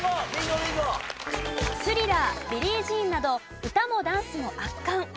『スリラー』『ビリー・ジーン』など歌もダンスも圧巻！